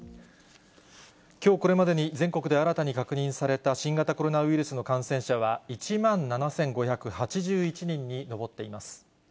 きょう、これまでに全国で新たに確認された新型コロナウイルスの感染者は１万７５８１人に上っています。